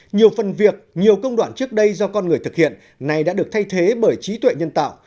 nhiều phần việc nhiều công đoạn trước đây do con người thực hiện nay đã được thay thế bởi trí tuệ nhân tạo